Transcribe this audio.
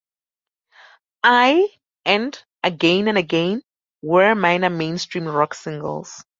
"I" and "Again and Again" were minor Mainstream Rock singles.